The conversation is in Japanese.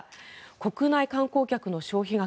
国内観光客の消費額